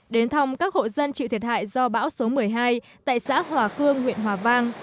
đến thăm các hộ dân chịu thiệt hại do bão số một mươi hai tại xã hòa khương huyện hòa vang